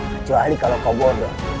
kecuali kalau kau bodoh